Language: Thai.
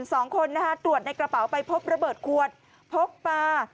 สองคนนะคะตรวจในกระเป๋าไปพบระเบิดขวดพกมา